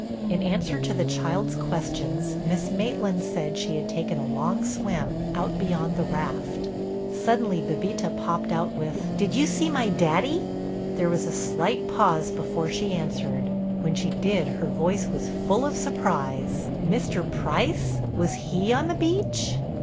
In answer to the child's questions Miss Maitland said she had taken a long swim, out beyond the raft. Suddenly Bébita popped out with: "Did you see my Daddy?" There was a slight pause before she answered; when she did her voice was full of surprise: "Mr. Price! Was he on the beach?"